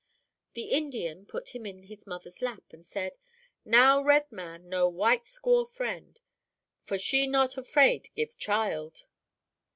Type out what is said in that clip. The Indian put him in his mother's lap, and said, "'Now red man know white squaw friend, for she not afraid give child.'